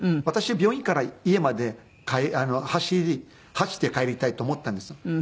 私は病院から家まで走って帰りたいと思ったんですよ。